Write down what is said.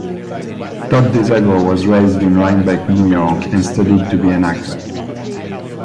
Todd Dezago was raised in Rhinebeck, New York and studied to be an actor.